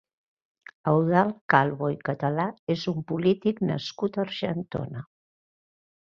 Eudald Calvo i Català és un polític nascut a Argentona.